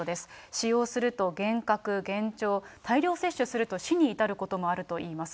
使用すると、幻覚、幻聴、大量摂取すると死に至ることもあるといいます。